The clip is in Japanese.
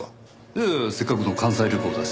いやせっかくの関西旅行だし。